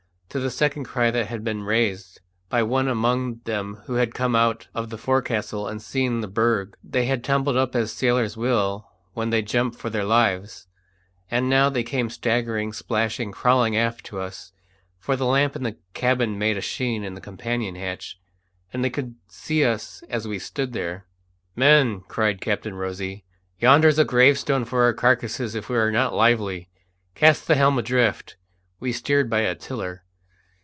To the second cry that had been raised by one among them who had come out of the forecastle and seen the berg, they had tumbled up as sailors will when they jump for their lives; and now they came staggering, splashing, crawling aft to us, for the lamp in the cabin made a sheen in the companion hatch, and they could see us as we stood there. "Men," cried Captain Rosy, "yonder's a gravestone for our carcases if we are not lively! Cast the helm adrift!" (we steered by a tiller).